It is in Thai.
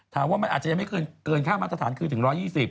ว่ามันอาจจะยังไม่เกินค่ามาตรฐานคือถึง๑๒๐